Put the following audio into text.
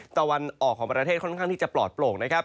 ตะวันออกของประเทศค่อนข้างที่จะปลอดโปร่งนะครับ